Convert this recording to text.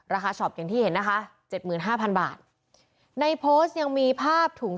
ช็อปอย่างที่เห็นนะคะเจ็ดหมื่นห้าพันบาทในโพสต์ยังมีภาพถุง